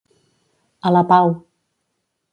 A la pau.